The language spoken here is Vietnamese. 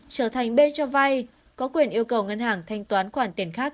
trở thành bên cho vai có quyền yêu cầu ngân hàng thanh toán khoản tiền khác